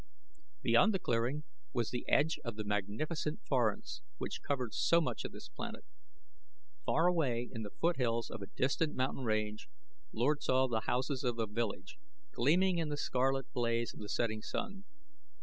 Beyond the clearing was the edge of the magnificent forest which covered so much of this planet. Far away, in the foothills of a distant mountain range, Lord saw the houses of a village, gleaming in the scarlet blaze of the setting sun.